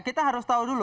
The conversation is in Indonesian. kita harus tahu dulu